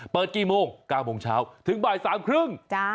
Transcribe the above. เปิดกี่โมง๙โมงเช้าถึงบ่ายสามครึ่ง